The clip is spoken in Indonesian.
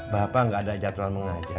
bapak nggak ada jadwal mengajar